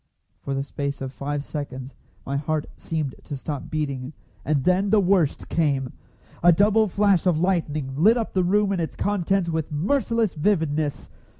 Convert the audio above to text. For the space of five seconds my heart seemed to stop beating, and then the worst came. A double flash of lightning lit up the room and its contents with merciless vividness.